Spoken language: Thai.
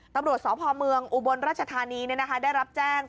ตำรวจสพเมืองอุบลราชธานีได้รับแจ้ง